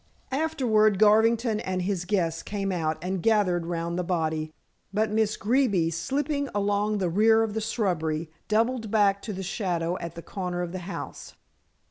Afterward Garvington and his guests came out and gathered round the body, but Miss Greeby, slipping along the rear of the shrubbery, doubled back to the shadow at the corner of the house.